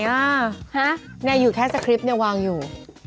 ห๊ะเนี่ยอยู่แค่สคริปต์วางอยู่